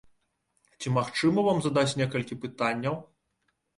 Ці магчыма вам задаць некалькі пытанняў?